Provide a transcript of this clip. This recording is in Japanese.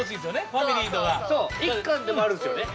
ファミリーとか１貫でもあるんですよね